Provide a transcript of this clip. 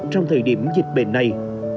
trong thời điểm dịch bệnh này